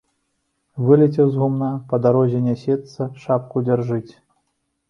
Вылецеў з гумна, па гародзе нясецца, шапку дзяржыць.